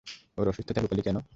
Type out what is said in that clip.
ওর অসুস্থতা লুকালি কেন?